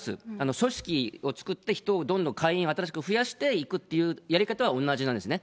組織を作って人をどんどん会員を新しく増やしていくというやり方は同じなんですね。